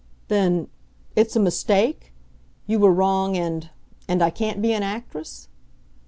"Then it's a mistake? You were wrong and and I can't be an actress?"